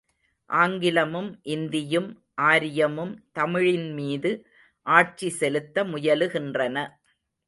ஆங்கிலமும், இந்தியும், ஆரியமும் தமிழின்மீது ஆட்சி செலுத்த முயலுகின்றன.